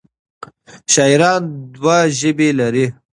شاعران دوه ژبې لري.